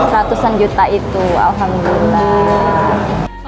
ratusan juta itu alhamdulillah